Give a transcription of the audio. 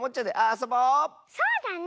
そうだね。